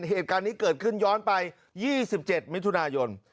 เหตุการณ์นี้เกิดขึ้นย้อนไป๒๗มิถุนายน